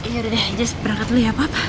ya udah deh jess berangkat dulu ya papa